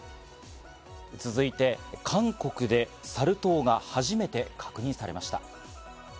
続いて、韓国でサル痘が初めて確認されました。